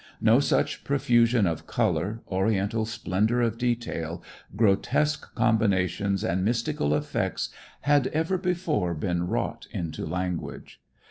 No such profusion of color, oriental splendor of detail, grotesque combinations and mystical effects had ever before been wrought into language.